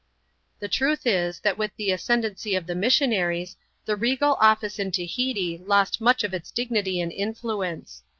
The truth is, that with the ascendency of the missionaries, the regal office in Tahiti lost much of its dignity and influence.